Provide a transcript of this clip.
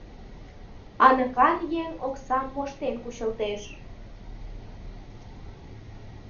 Аныкан еҥ оксам моштен кучылтеш.